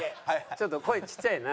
ちょっと声ちっちゃいな。